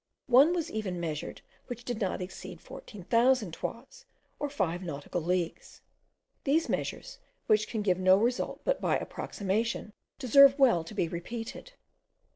One was even measured which did not exceed fourteen thousand toises, or five nautical leagues. These measures, which can give no result but by approximation, deserve well to be repeated.